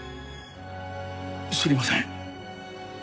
知りません。